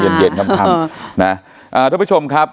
ต้องเย็นคำน่ะเอ่อทุกประชนครับ